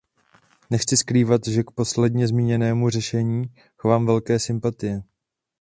Nechci skrývat, že k posledně zmíněnému řešení chovám velké sympatie.